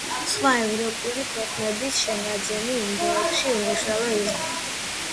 სხვა ევროპული ქვეყნების შენაძენი ინდოეთში უმნიშვნელო იყო.